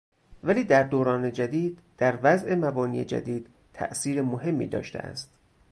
ولی در دوران جدید در وضع مبانی جدید تاثیر مهمی داشته است